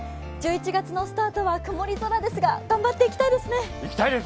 １１月のスタートは曇り空ですが頑張っていきたいですね。